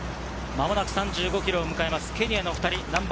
間もなく３５ｋｍを迎えます、ケニアの２人。